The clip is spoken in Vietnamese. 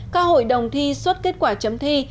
các hội đồng thi xuất kết quả chấm thi